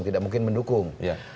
tidak mungkin mendukung